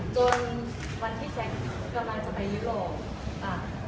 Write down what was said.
จนวันที่แจ๊คกำลังจะไปยุโรปอ่ะ